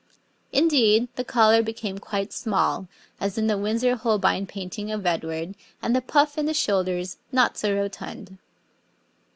Indeed, the collar became quite small, as in the Windsor Holbein painting of Edward, and the puff in the shoulders not so rotund.